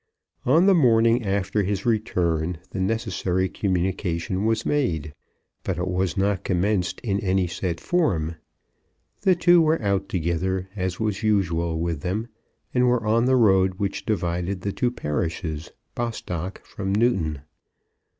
On the morning after his return the necessary communication was made. But it was not commenced in any set form. The two were out together, as was usual with them, and were on the road which divided the two parishes, Bostock from Newton.